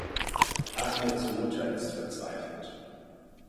Ahmeds Mutter ist verzweifelt.